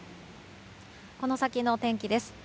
この先の天気です。